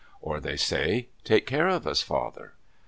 Or they say, "Take care of us, Father."